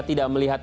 kita sudah berhasil